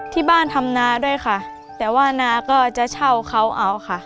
ที่บ้านทำนาด้วยค่ะแต่ว่านาก็จะเช่าเขาเอาค่ะ